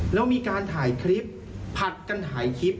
แล้วมีการถ่ายคลิปผัดกันถ่ายคลิป